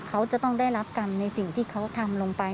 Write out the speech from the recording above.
เขาจะต้องได้รับกรรมในสิ่งที่เขาทำลงไป